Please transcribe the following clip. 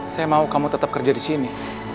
saya mau kamu tetap kerja di sini